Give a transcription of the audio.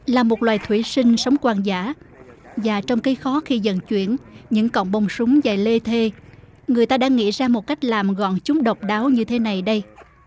là một loài thủy sinh sống quang giả và trong cái khó khi dần chuyển những cọng bông súng dài lê thê người ta đã nghĩ ra một cách làm gọn chúng độc đáo như thế này đây